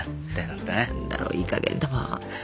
何だろいいかげんだわ。